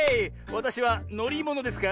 わたしはのりものですか？